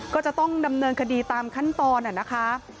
ก็จะต้องดำเนินคดีตามขั้นตอนนะคะ